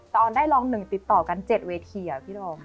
แต่ออนได้รองหนึ่งติดต่อกันเจ็บเวทีอะพี่ดอม